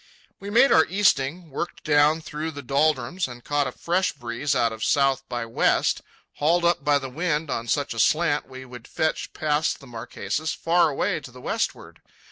We made our easting, worked down through the doldrums, and caught a fresh breeze out of south by west. Hauled up by the wind, on such a slant, we would fetch past the Marquesas far away to the westward.